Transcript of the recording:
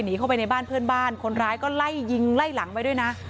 หนีเข้าไปในบ้านเพื่อนบ้านคนร้ายก็ไล่ยิงไล่หลังไว้ด้วยนะ